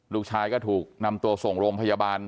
ลูกชายก็ถูกนำตัวส่งโรงพยาบาล